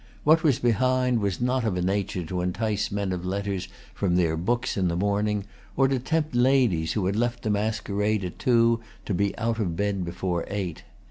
What was behind was not of a nature to entice men of letters from their books in the morning, or to tempt ladies who had left the masquerade at two to be out of bed before eight.